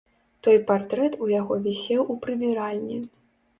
Той партрэт у яго вісеў у прыбіральні.